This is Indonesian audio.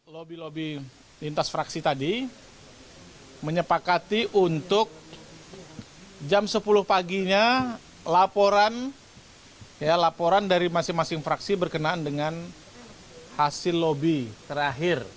lobby lobby lintas fraksi tadi menyepakati untuk jam sepuluh paginya laporan dari masing masing fraksi berkenaan dengan hasil lobby terakhir